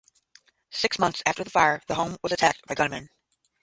Six months after the fire the home was attacked by gunmen.